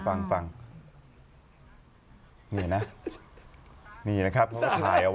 คุณต้องปิดหน้าคุณหนุ่ม